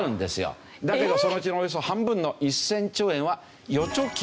だけどそのうちのおよそ半分の１０００兆円は預貯金。